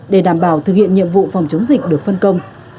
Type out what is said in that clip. để đảm bảo thực hiện nhiệm vụ phòng chống dịch được phân công